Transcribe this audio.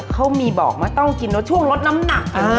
เขามีบอกว่าต้องกินแล้วช่วงลดน้ำหนัก